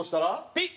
ピッ！